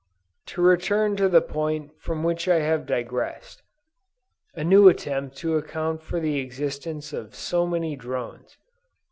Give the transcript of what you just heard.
To return to the point from which I have digressed; a new attempt to account for the existence of so many drones.